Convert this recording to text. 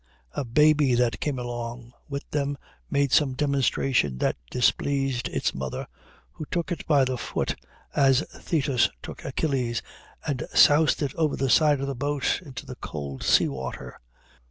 A baby that came along with them made some demonstration that displeased its mother, who took it by the foot, as Thetis took Achilles, and soused it over the side of the boat into the cold seawater.